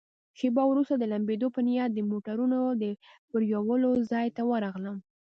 شیبه وروسته د لمبېدو په نیت د موټرونو د پرېولو ځای ته ورغلم.